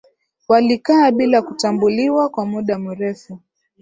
walikaa bila kutambuliwa kwa muda mrefu